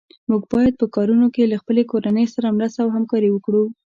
موږ باید په کارونو کې له خپلې کورنۍ سره مرسته او همکاري وکړو.